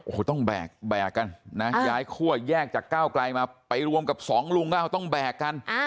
โอ้โหต้องแบกกันนะย้ายคั่วแยกจากก้าวไกลมาไปรวมกับสองลุงก็ต้องแบกกัน